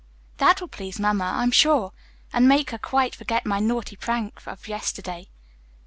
"That will please Mamma, I'm sure, and make her quite forget my naughty prank of yesterday.